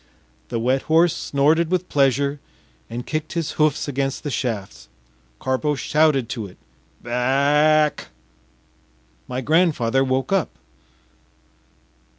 The wet horse snorted with pleasure and kicked his hoofs against the shafts. Karpo shouted to it: “Ba ack!” My grandfather woke up.